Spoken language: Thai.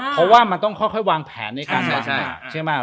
เพราะว่ามันต้องค่อยวางแผนในการลงสนามใช่ไหม